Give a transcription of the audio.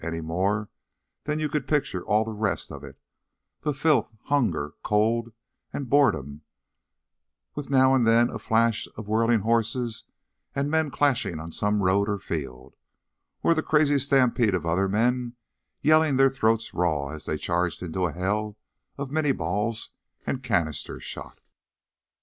Any more than you could picture all the rest of it the filth, hunger, cold, and boredom with now and then a flash of whirling horses and men clashing on some road or field, or the crazy stampede of other men, yelling their throats raw as they charged into a hell of Minié balls and canister shot.